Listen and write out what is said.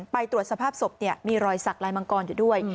ไปตรวจสภาพศพมีรอยสักลายมังกรอยู่ด้วย